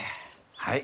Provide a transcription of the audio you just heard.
はい。